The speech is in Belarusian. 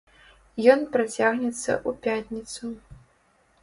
Ён працягнецца ў пятніцу.